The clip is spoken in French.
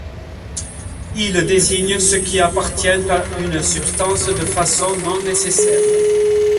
Il désigne ce qui appartient à une substance de façon non nécessaire.